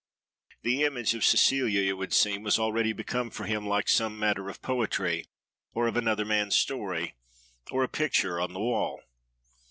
The image of Cecilia, it would seem, was already become for him like some matter of poetry, or of another man's story, or a picture on the wall.